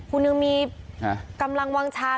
คุณยังมีกำลังวางชา